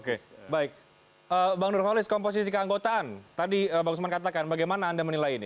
oke baik bang nurholis komposisi keanggotaan tadi bang usman katakan bagaimana anda menilai ini